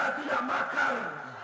tiasno tidak makar